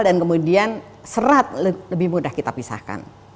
dan kemudian serat lebih mudah kita pisahkan